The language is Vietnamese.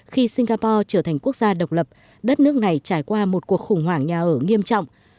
khi singapore trở thành quốc gia độc lập đất nước này trải qua một cuộc khủng hoảng nhà ở nghiêm trọng